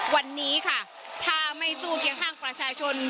วันนี้ค่ะถ้าไม่สู้เคียงข้างประชาชน